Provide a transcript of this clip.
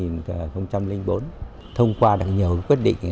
năm hai nghìn bốn thông qua được nhiều quyết định